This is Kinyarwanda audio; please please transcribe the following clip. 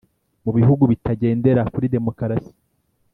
mu bihugu bitagendera kuri demokarasi